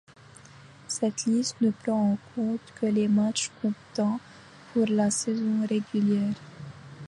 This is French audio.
Cette liste ne prend en compte que les matchs comptant pour la saison régulière.